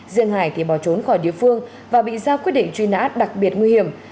riêng hải thì bỏ trốn khỏi địa phương và bị ra quyết định truy nã đặc biệt nguy hiểm